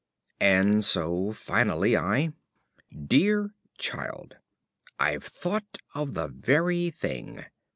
And so finally, I: Dear Child, I've thought of the very thing.